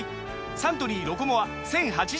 サントリー「ロコモア」１，０８０円